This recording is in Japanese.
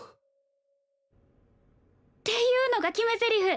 っていうのが決めゼリフ。